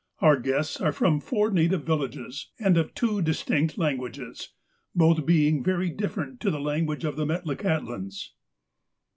Our guests are from four native villages, and of two distinct languages ;— both being very different to the language of the Metlakahtlans.